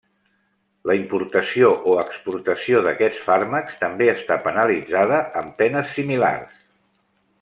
La importació o exportació d'aquests fàrmacs també està penalitzada amb penes similars.